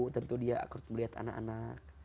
tentu dia harus melihat anak anak